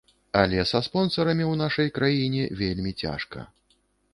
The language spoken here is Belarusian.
Але са спонсарамі ў нашай краіне вельмі цяжка.